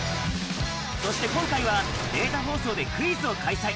そして今回は、データ放送でクイズを開催。